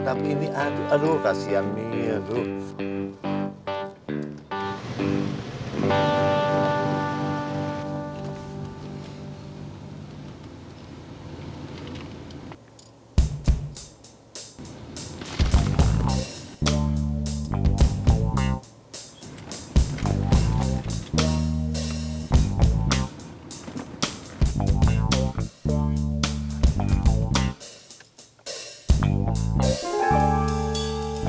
tapi ini aduh aduh kasihan ini aduh